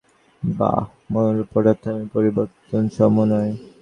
সমুদয় পরিবর্তন আমার মধ্যে চিত্তে বা মনরূপ পদার্থে, আমি পরিবর্তনসমূহ নই।